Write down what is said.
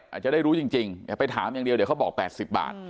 อาจจะได้รู้จริงอย่าไปถามอย่างเดียวเดี๋ยวเขาบอก๘๐บาท